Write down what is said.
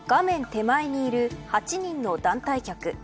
手前にいる８人の団体客。